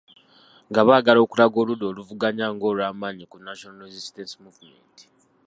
Nga baagala okulaga oludda oluvuganya ng'olw’amaanyi ku National Resistance Movement.